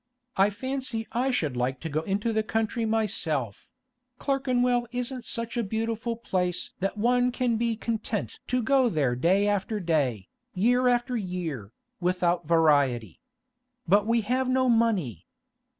I fancy I should like to go into the country myself; Clerkenwell isn't such a beautiful place that one can be content to go there day after day, year after year, without variety. But we have no money.